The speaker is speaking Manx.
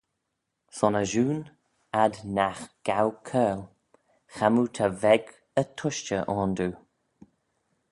Son ashoon ad nagh gow coyrle, chamoo ta veg y tushtey ayndoo.